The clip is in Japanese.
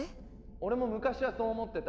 ・俺も昔はそう思ってた。